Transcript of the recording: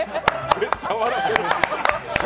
めっちゃ笑ってる。